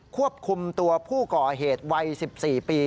ควบคุมตัวผู้ก่อเหตุวัย๑๔ปี